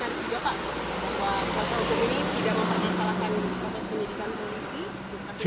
bahwa pasal ini tidak memperlukan salahkan pasal penyidikan